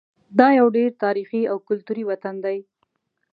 دا یو ډېر تاریخي او کلتوري وطن دی.